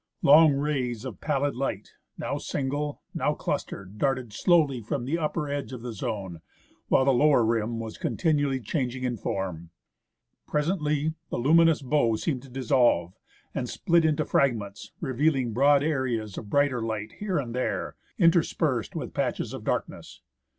Long rays of pallid light, now single, now clustered, darted slowly from the upper edge of the zone, while the lower rim was continually changing in form. Presently the luminous bow seemed to dissolve, and split into fragments, revealing broad areas of brighter light here and there, interspersed with patches of darkness.